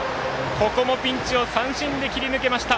ここもピンチを三振で切り抜けました。